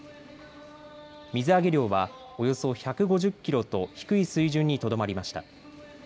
水揚げ量はおよそ１５０キロと低い水準にとどまりました。